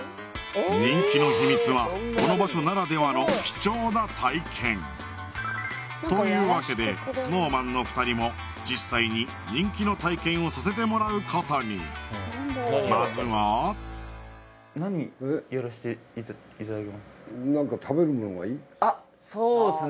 人気の秘密はこの場所ならではの貴重な体験というわけでＳｎｏｗＭａｎの２人も実際に人気の体験をさせてもらうことにまずはあっそうっすね